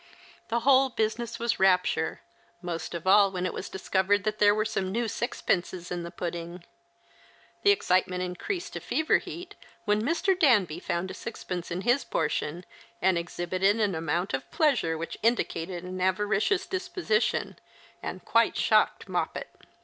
The whole business was rapture, most of all when it was discovered that there were some new sixpences in the })udding. The excitement increased to fever heat when Mr. Danby found a sixpence in his portion, and exhibited an amount oi pleasure which indicated an avaricious disposition, and quite shocked Moppet.